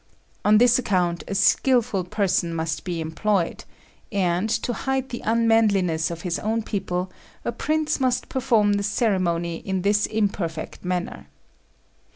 On this account a skilful person must be employed; and, to hide the unmanliness of his own people, a prince must perform the ceremony in this imperfect manner.